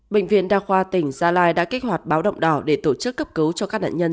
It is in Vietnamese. bệnh viện đa khoa tỉnh gia lai đã kích hoạt báo động đỏ để tổ chức cấp cứu cho các nạn nhân